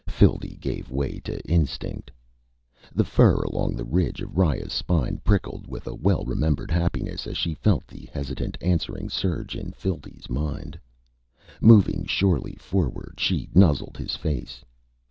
Phildee gave way to instinct. The fur along the ridge of Riya's spine prickled with a well remembered happiness as she felt the hesitant answering surge in Phildee's mind. Moving surely forward, she nuzzled his face.